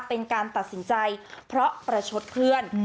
เป็นการตัดสินใจเพราะประชดเพื่อน